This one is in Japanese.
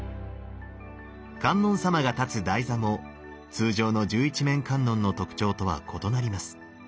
観音様が立つ台座も通常の十一面観音の特徴とは異なります。